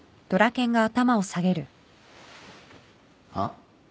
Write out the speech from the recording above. あっ？